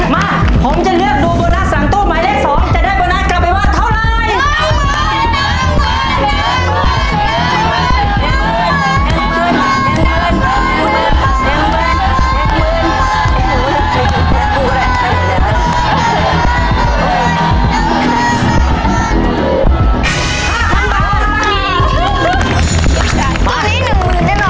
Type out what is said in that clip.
มาผมจะเลือกดูโบนัสหลังตู้หมายเลข๒จะได้โบนัสกลับไปบ้านเท่าไร